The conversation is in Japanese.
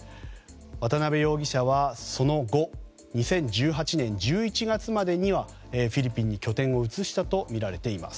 渡邉容疑者はその後２０１８年１１月までにはフィリピンに拠点を移したとみられています。